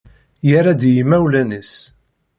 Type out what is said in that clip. Yerra-d i yimawlan-is.